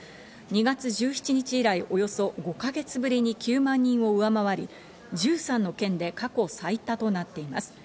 ２月１７日以来、およそ５か月ぶりに９万人を上回り、１３の県で過去最多となっています。